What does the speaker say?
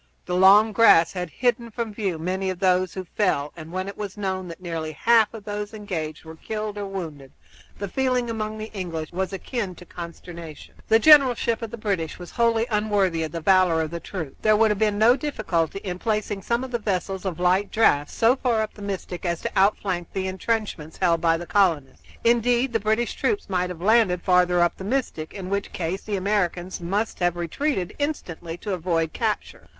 The long grass had hidden from view many of those who fell, and when it was known that nearly half of those engaged were killed or wounded the feeling among the English was akin to consternation. The generalship of the British was wholly unworthy of the valor of the troops. There would have been no difficulty in placing some of the vessels of light draught so far up the Mystic as to outflank the intrenchments held by the colonists. Indeed, the British troops might have been landed further up the Mystic, in which case the Americans must have retreated instantly to avoid capture.